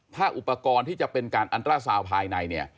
ถ้าอุปกรณ์ที่จะเป็นการอันตราซาวภายใน